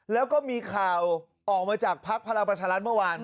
แล้วก็มีข่าวออกมาจากภักดิ์พลังประชารัฐเมื่อวาน